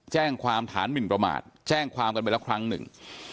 แจ้งความฐานหมินประมาทแจ้งความกันไปแล้วครั้งหนึ่ง